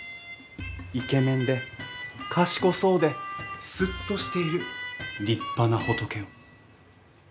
イケメンで賢そうでスッとしている立派な仏を。